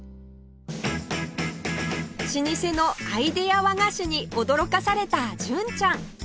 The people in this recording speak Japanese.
老舗のアイデア和菓子に驚かされた純ちゃん